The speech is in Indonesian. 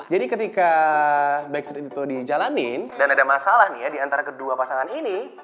jadi ketika backstreet itu dijalanin dan ada masalah nih ya diantara kedua pasangan ini